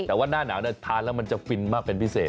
เพราะว่าหน้าหนาวเนี่ยทานแล้วมันจะฟินมากเป็นพิเศษ